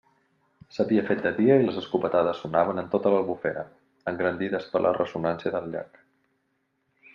S'havia fet de dia i les escopetades sonaven en tota l'Albufera, engrandides per la ressonància del llac.